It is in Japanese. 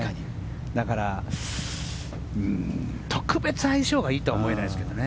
だから特別相性がいいとは思えないですけどね。